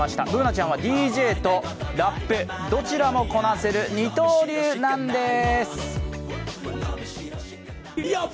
ＢｏｏｎａちゃんはＤＪとラップ、どちらもこなせる二刀流なんです。